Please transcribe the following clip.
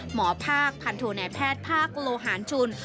หมอภาคพันโทในแพทย์ภาคโลหารชุน